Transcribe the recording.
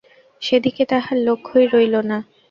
সেদিকে তাহার লক্ষ্যই রহিল না।